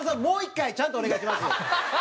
もう１回ちゃんとお願いします。